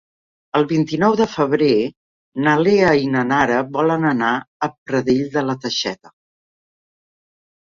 El vint-i-nou de febrer na Lea i na Nara volen anar a Pradell de la Teixeta.